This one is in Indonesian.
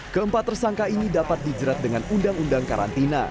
keempat tersangka ini dapat dijerat dengan undang undang karantina